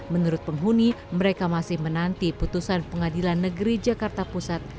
menurut penghuni mereka masih menanti putusan pengadilan negeri jakarta pusat